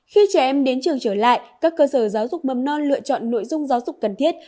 khi trẻ em đến trường trở lại các cơ sở giáo dục mầm non lựa chọn nội dung giáo dục cần thiết